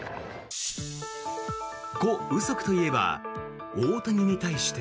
コ・ウソクといえば大谷に対して。